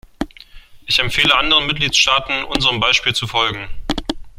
Ich empfehle anderen Mitgliedstaaten, unserem Beispiel zu folgen.